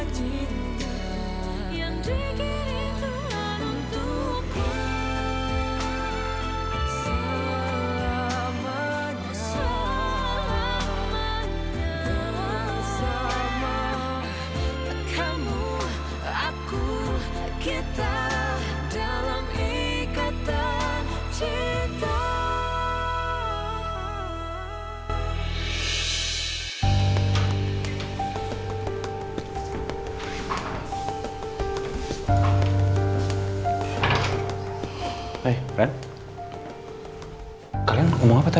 kita dalam ikatan cinta